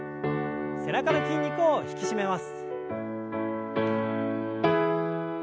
背中の筋肉を引き締めます。